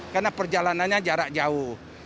karena perjalanannya jarak jauh